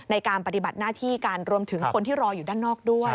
ในการปฏิบัติหน้าที่การรวมถึงคนที่รออยู่ด้านนอกด้วย